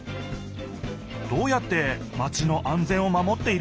どうやってマチの安全を守っているのかな？